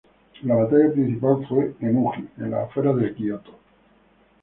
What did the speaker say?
La batalla principal fue en Uji en las afueras de Kioto.